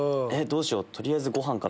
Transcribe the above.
どうしよう取りあえずご飯。